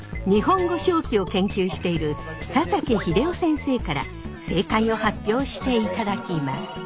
日本語表記を研究している佐竹秀雄先生から正解を発表していただきます！